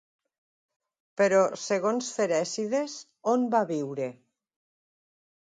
Però segons Ferècides, on va viure?